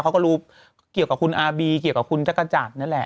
เขาก็รู้เกี่ยวกับคุณอาร์บีเกี่ยวกับคุณจักรจันทร์นั่นแหละ